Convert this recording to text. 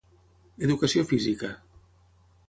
Educació física.